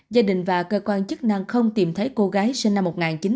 gia đình và cơ quan chức năng không tìm thấy cô gái sinh năm một nghìn chín trăm chín mươi